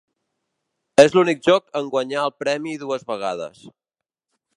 És l'únic joc en guanyar el premi dues vegades.